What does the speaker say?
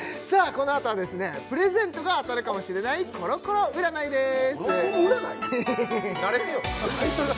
このあとはプレゼントが当たるかもしれないコロコロ占いです